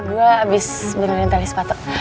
gue abis dengerin tali sepatu